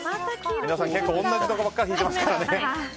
皆さん、同じところばっかり引いてますからね。